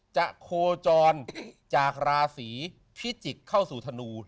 จะโคจรจากราศรีพิจิกเข้าสู่ธนูร์